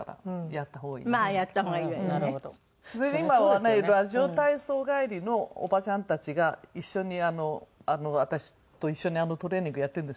ラジオ体操帰りのおばちゃんたちが一緒に私と一緒にあのトレーニングやってるんですよ。